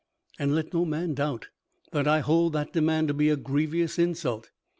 And let no man doubt that I hold that demand to be a grievous insult.